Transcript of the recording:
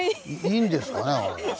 いいんですかね？